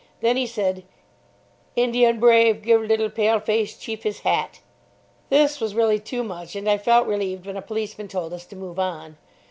Then he said, "Indian brave give little pale face chief his hat." This was really too much, and I felt relieved when a policeman told us to move on.